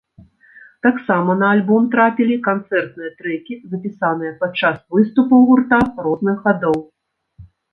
Таксама на альбом трапілі канцэртныя трэкі, запісаныя пад час выступаў гурта розных гадоў.